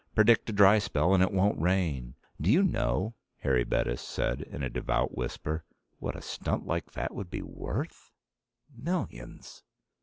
Predict a dry spell and it won't rain. Do you know," Harry Bettis said in a devout whisper, "what a stunt like that would be worth? Millions."